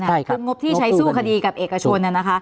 คืองบที่ใช้สู้คดีกับเอกชน